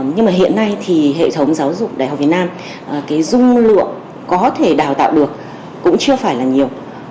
nhưng mà hiện nay thì hệ thống giáo dục đại học việt nam cái dung lượng có thể đào tạo được cũng chưa phải là nhiều